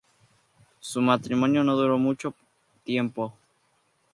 Su matrimonio no duró mucho tiempo.